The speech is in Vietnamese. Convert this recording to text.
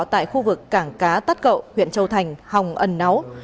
tại khu vực cảng cá tắt cậu huyện châu thành hồng ấn náu